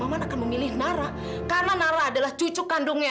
maman akan memilih nara karena nara adalah cucu kandungnya